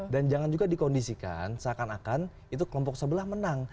dan jangan juga dikondisikan seakan akan itu kelompok sebelah menang